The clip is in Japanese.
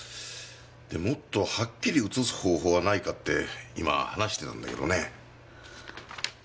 でもっとはっきり映す方法はないかって今話してたんだけどね。